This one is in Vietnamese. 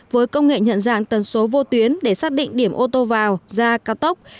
với công nghệ nhận dạng tần số vô tuyến để xác định điểm ô tô vào ra cao tốc